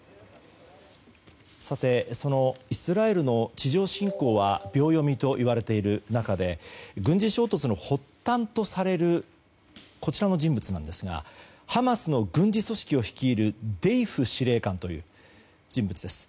そのイスラエルの地上侵攻は秒読みといわれている中で軍事衝突の発端とされるこちらの人物なんですがハマスの軍事組織を率いるデイフ司令官という人物です。